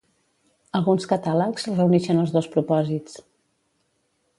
Alguns catàlegs reunixen els dos propòsits.